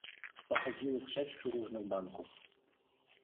"Pochodziły z sześciu różnych banków."